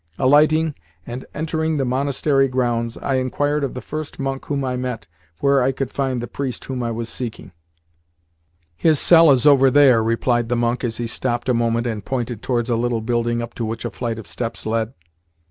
Alighting, and entering the monastery grounds, I inquired of the first monk whom I met where I could find the priest whom I was seeking. "His cell is over there," replied the monk as he stopped a moment and pointed towards a little building up to which a flight of steps led.